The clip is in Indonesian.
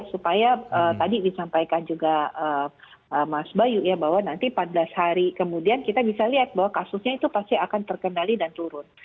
supaya tadi disampaikan juga mas bayu ya bahwa nanti empat belas hari kemudian kita bisa lihat bahwa kasusnya itu pasti akan terkendali dan turun